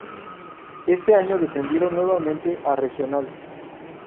Ese año descendieron nuevamente a regional.